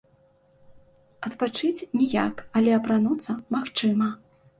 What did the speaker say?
Адпачыць ніяк, але апрануцца магчыма.